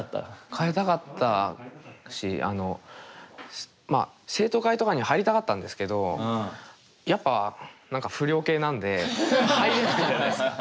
変えたかったしまあ生徒会とかに入りたかったんですけどやっぱ何か不良系なんで入れないじゃないですか。